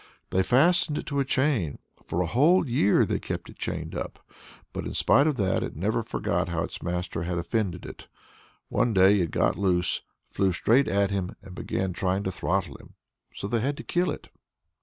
They fastened it to a chain; for a whole year they kept it chained up. But in spite of that, it never forgot how its master had offended it. One day it got loose, flew straight at him, and began trying to throttle him. So they had to kill it.